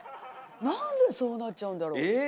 なんでそうなっちゃうんだろう？え？